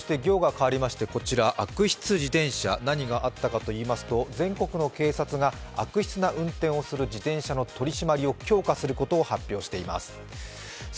そして、悪質自転車、何があったかといいますと、全国の警察が悪質な運転をする自転車の取り締まりを強化することを発表しています。